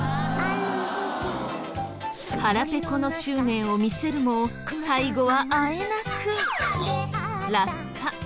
腹ペコの執念を見せるも最後はあえなく落下。